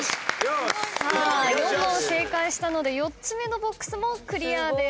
さあ４問正解したので４つ目のＢＯＸもクリアです。